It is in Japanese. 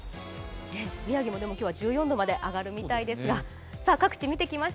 宮城も今日は１４度まで上がるみたいですが、各地、見てきました。